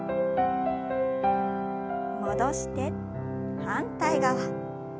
戻して反対側。